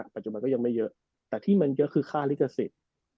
ปัจจุบันก็ยังไม่เยอะแต่ที่มันเยอะคือค่าลิขสิทธิ์